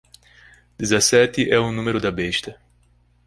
Dezessete é o número da besta